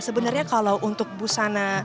sebenarnya kalau untuk busana